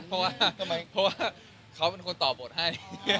เพราะว่าเขาเป็นคนต่อบทให้